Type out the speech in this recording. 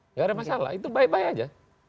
enggak ada masalah itu bye bye aja